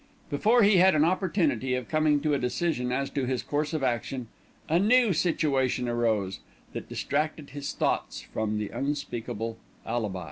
Before he had an opportunity of coming to a decision as to his course of action, a new situation arose, that distracted his thoughts from the unspeakable "alibis."